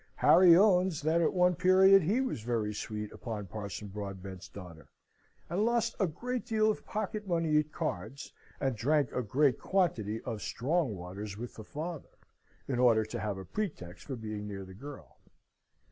Harry owns that at one period he was very sweet upon Parson Broadbent's daughter, and lost a great deal of pocket money at cards, and drank a great quantity of strong waters with the father, in order to have a pretext for being near the girl.